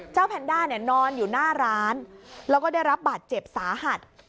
เจ้าแพนด้านนอนอยู่หน้าร้านแล้วก็ได้รับบัตรเจ็บสาหัส